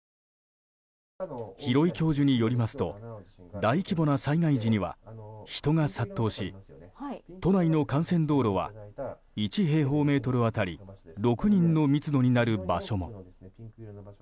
廣井教授によりますと大規模な災害時には人が殺到し都内の幹線道路は１平方メートル当たり６人の密度になる場所も。